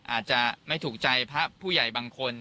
อาจจะไม่ถูกใจพระผู้ใหญ่บางคน